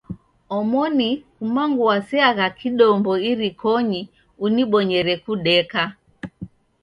Omoni kumangu waseagha kidombo irikonyi unibonyerie kudeka.